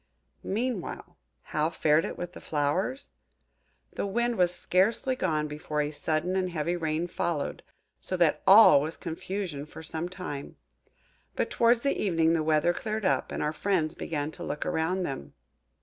Meanwhile, how fared it with the flowers? The Wind was scarcely gone before a sudden and heavy rain followed, so that all was confusion for some time. But towards the evening the weather cleared up, and our friends began to look around them.